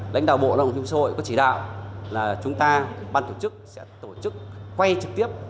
là lãnh đạo bộ lòng dung sôi có chỉ đạo là chúng ta ban tổ chức sẽ tổ chức quay trực tiếp